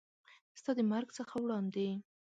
ستا د مرګ څخه وړاندې